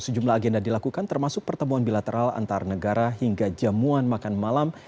sejumlah agenda dilakukan termasuk pertemuan bilateral antar negara hingga jamuan makan malam